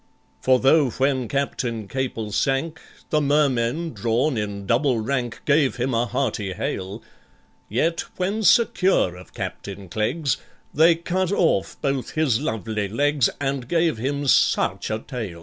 For though, when CAPTAIN CAPEL sank, The Mermen drawn in double rank Gave him a hearty hail, Yet when secure of CAPTAIN CLEGGS, They cut off both his lovely legs, And gave him such a tail!